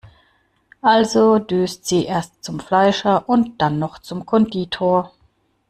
Also düst sie erst zum Fleischer und dann noch zum Konditor.